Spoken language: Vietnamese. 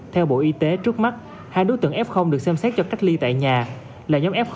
theo bộ y tế trước mắt hai đối tượng f được xem xét cho cách ly tại nhà là nhóm f một